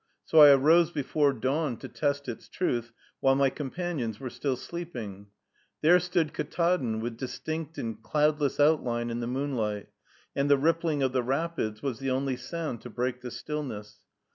So I arose before dawn to test its truth, while my companions were still sleeping. There stood Ktaadn with distinct and cloudless outline in the moonlight; and the rippling of the rapids was the only sound to break the stillness.